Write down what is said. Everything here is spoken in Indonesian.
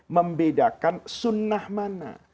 membedakan sunnah mana